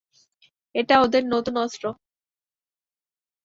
এটা ওদের নতুন অস্ত্র।